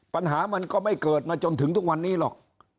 ปัญหามันก็ไม่เกิดมาจนถึงทุกวันนี้หรอก